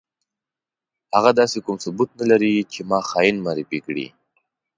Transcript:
هغه داسې کوم ثبوت نه لري چې ما خاين معرفي کړي.